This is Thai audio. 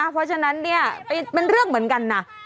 เพราะฉะนั้นเนี่ยเป็นเรื่องเหมือนกันนะ